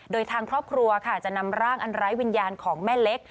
โดยทางครอบครัวค่ะจะนำร่างอันไร้วิญญาณของแม่เล็ก